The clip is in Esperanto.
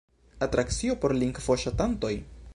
Atrakcio por lingvoŝatantoj?